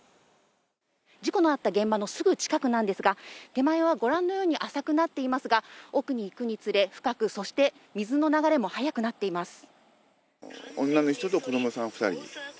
事故のあった現場のすぐ近くなんですが手前は御覧のように浅くなっていますが奥に行くにつれて深く、そして水の流れも速くなっています。